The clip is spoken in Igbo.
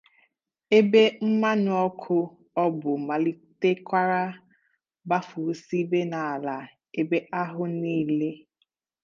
ebe mmanụ ọkụ o bù màlìtèkwàra gbafùsibe n'ala ebe ahụ niile